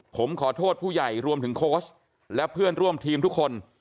ผมขอโทษผู้ใหญ่รวมถึงโค้ชและเพื่อนร่วมทีมทุกคน